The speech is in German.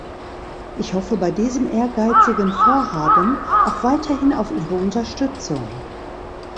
Ich hoffe bei diesem ehrgeizigen Vorhaben auch weiterhin auf Ihre Unterstützung.